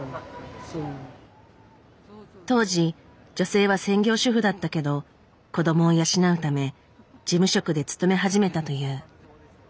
当時女性は専業主婦だったけど子どもを養うため事務職で勤め始めたという。